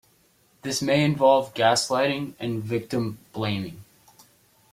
This may involve gaslighting and victim blaming.